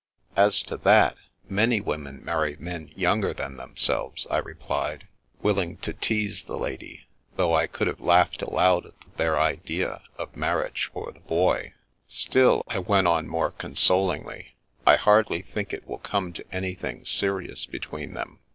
"As to that, many women marry men younger than themselves," I replied, willing to tease the lady, though I could have laughed aloud at the bare idea of marriage for the Boy. " Still," I went on more consolingly, " I hardly think it will come to anything serious between them."